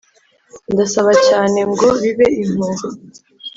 ndasaba cyane ngo bibe impuha